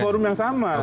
di forum yang sama